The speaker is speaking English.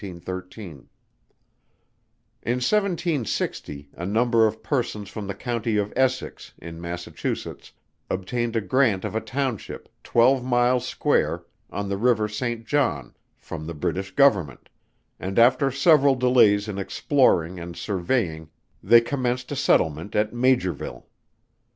In 1760, a number of persons from the County of Essex, in Massachusetts, obtained a grant of a Township, twelve miles square, on the River Saint John, from the British Government; and after several delays in exploring and surveying, they commenced a settlement at Maugerville.